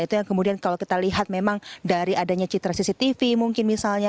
itu yang kemudian kalau kita lihat memang dari adanya citra cctv mungkin misalnya